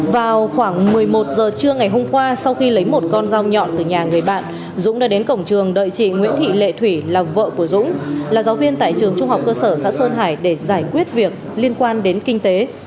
vào khoảng một mươi một giờ trưa ngày hôm qua sau khi lấy một con dao nhọn từ nhà người bạn dũng đã đến cổng trường đợi chị nguyễn thị lệ thủy là vợ của dũng là giáo viên tại trường trung học cơ sở xã sơn hải để giải quyết việc liên quan đến kinh tế